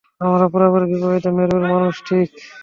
আমরা পুরোপুরি বিপরীত মেরুর মানুষ, ঠিক?